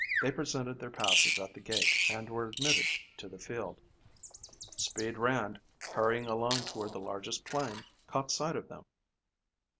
They presented their passes at the gate and were admitted to the field. "Speed" Rand, hurrying along toward the largest plane, caught sight of them.